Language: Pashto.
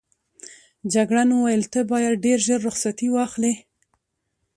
جګړن وویل ته باید ډېر ژر رخصتي واخلې.